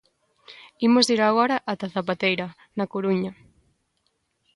Imos ir agora ata A Zapateira, na Coruña.